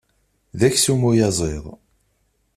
D aksum uyaziḍ.